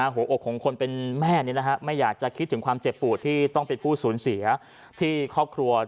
หัวอกของคนเป็นแม่ไม่อยากจะคิดถึงความเจ็บปวดที่ต้องเป็นผู้สูญเสียที่ครอบครัว